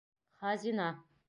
ХАЗИНА